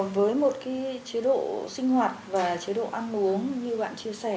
với một chế độ sinh hoạt và chế độ ăn uống như bạn chia sẻ